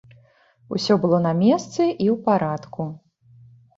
Усё было на месцы і ў парадку.